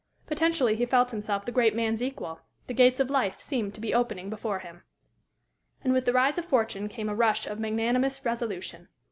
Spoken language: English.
Potentially he felt himself the great man's equal; the gates of life seemed to be opening before him. And with the rise of fortune came a rush of magnanimous resolution.